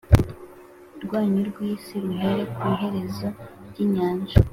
Rwanyu rw ikusi ruhere ku iherezo ry inyanja